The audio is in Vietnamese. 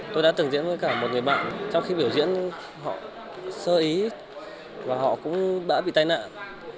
tôi đã từng diễn với cả một người bạn trong khi biểu diễn họ sơ ý và họ cũng đã bị tai nạn